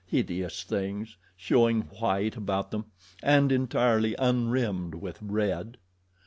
Hideous things, showing white about them, and entirely unrimmed with red.